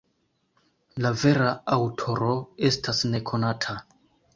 La vera aŭtoro estas nekonata.